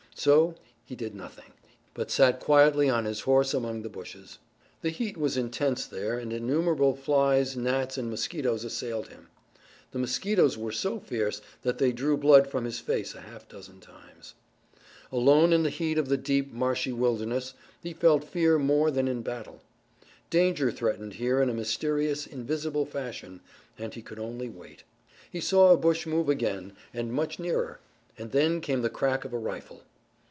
So he did nothing, but sat quietly on his horse among the bushes. The heat was intense there and innumerable flies, gnats, and mosquitoes assailed him. The mosquitoes were so fierce that they drew blood from his face a half dozen times. Alone in the heat of the deep marshy wilderness he felt fear more than in battle. Danger threatened here in a mysterious, invisible fashion and he could only wait. He saw a bush move again, but much nearer, and then came the crack of a rifle.